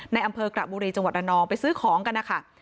ในอำเภอกราบบุรีจังหวัดอนองไปซื้อของกัน